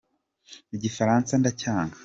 igifaransa ndacyanga